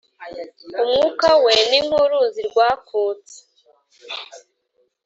Umwuka we ni nk’uruzi rwakutse,